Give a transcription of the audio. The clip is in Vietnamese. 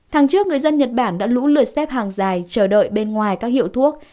tháng trước người dân nhật bản đã lũ lượt xếp hàng dài chờ đợi bên ngoài các hiệu thuốc